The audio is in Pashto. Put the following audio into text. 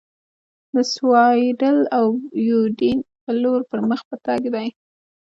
د سیوایډل او یوډین په لور پر مخ په تګ دي.